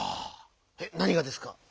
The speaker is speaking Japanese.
えなにがですか？